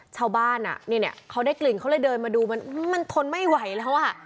ชาวบ้านอ่ะเนี่ยเขาได้กลิ่นเขาเลยเดินมาดูมันทนไม่ไหวแล้วอ่ะ